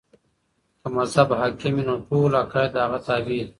که مذهب حاکم وي نو ټول عقايد د هغه تابع دي.